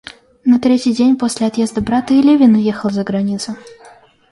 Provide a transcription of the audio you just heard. На третий день после отъезда брата и Левин уехал за границу.